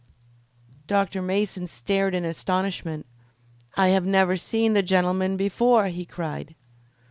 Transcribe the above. Dr. Mason stared in astonishment. "I have never seen the gentleman before!" he cried.